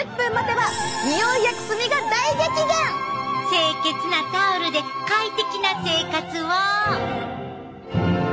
清潔なタオルで快適な生活を！